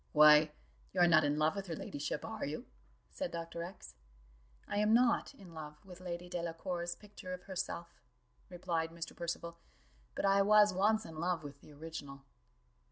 "Why, you are not in love with her ladyship, are you?" said Dr. X . "I am not in love with Lady Delacour's picture of herself," replied Mr. Percival, "but I was once in love with the original."